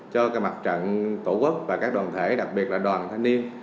cho mặt trận tổ quốc và các đoàn thể đặc biệt là đoàn thanh niên